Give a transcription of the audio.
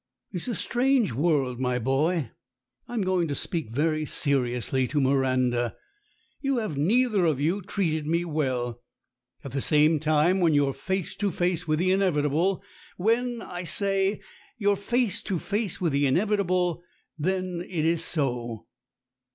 "It's a strange world. My boy, I am going to speak very seriously to Miranda. You have neither of you treated me well. At the same time, when you're face to face with the inevitable when, I say, you're face to face with the inevitable then it is so."